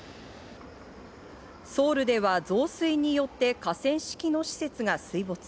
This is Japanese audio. ソウルでは増水によって河川敷の施設が水没。